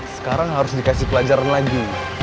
sekarang harus dikasih pelajaran lagi